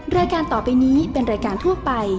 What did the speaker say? รายการต่อไปนี้เป็นรายการทั่วไป